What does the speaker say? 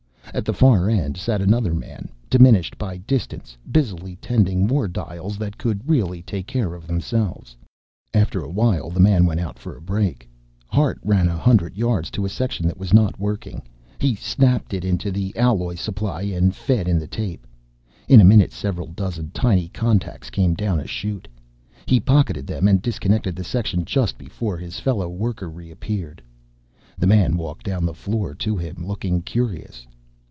At the far end sat another man, diminished by distance, busily tending more dials that could really take care of themselves. After a while the man went out for a break. Hart ran a hundred yards to a section that was not working. He snapped it into the alloy supply and fed in the tape. In a minute, several dozen tiny contacts came down a chute. He pocketed them and disconnected the section just before his fellow worker reappeared. The man walked down the floor to him, looking curious.